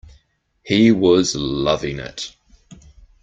He was loving it!